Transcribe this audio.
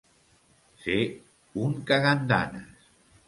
Ser un cagandanes.